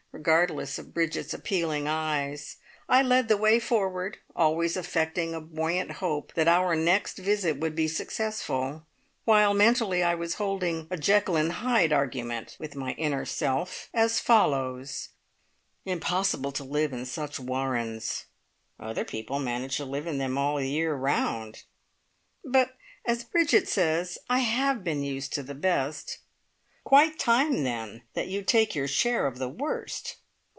Regardless of Bridget's appealing eyes, I led the way forward, always affecting a buoyant hope that our next visit would be successful, while mentally I was holding a Jekyll and Hyde argument with my inner self, as follows: "Impossible to live in such warrens!" "Other people manage to live in them all the year round!" "But, as Bridget says, I have been used to the best." "Quite time, then, that you take your share of the worst!"